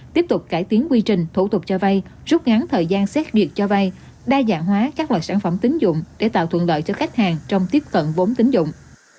tiếp tục cải tiến quy trình thủ tục cho vay rút ngắn thời gian xét duyệt cho vay đa dạng hóa các loại sản phẩm tính dụng để tạo thuận lợi cho khách hàng trong tiếp cận vốn tính dụng